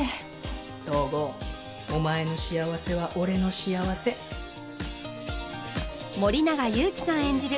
東郷お前の幸せは俺の幸せ森永悠希さん演じる